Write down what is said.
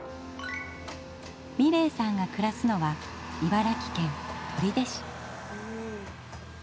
美礼さんが暮らすのは茨城県取手市。